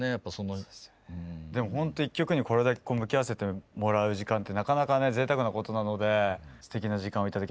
でもほんと１曲にこれだけ向き合わせてもらう時間ってなかなかね贅沢なことなのですてきな時間をいただきました。